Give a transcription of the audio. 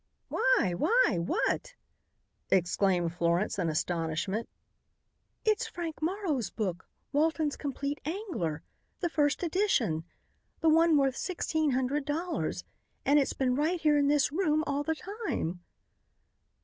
"Why! Why! What?" exclaimed Florence in astonishment. "It's Frank Morrow's book, Walton's 'Compleat Angler.' The first edition. The one worth sixteen hundred dollars. And it's been right here in this room all the time!"